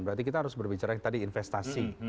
berarti kita harus berbicara tadi investasi